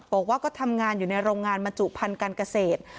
บอกว่าก็ทำงานอยู่ในโรงงานบรรจุพันธุ์การเกษตร